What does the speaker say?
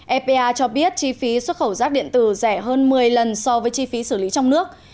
epa cho biết chi phí xuất khẩu rác điện tử rẻ hơn một mươi lần so với chi phí xử lý trong nước